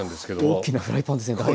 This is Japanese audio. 大きなフライパンですねだ